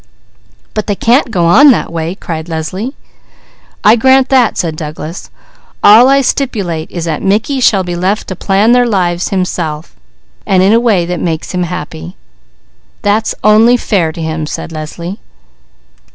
"But they can't go on that way!" cried Leslie. "I grant that," said Douglas. "All I stipulate is that Mickey shall be left to plan their lives himself, and in a way that makes him happy." "That's only fair to him!" said Leslie.